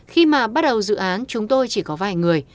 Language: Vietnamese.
khi mà bắt đầu dự án chúng tôi chỉ có vài người